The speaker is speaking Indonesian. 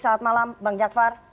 salam malam bang jakvar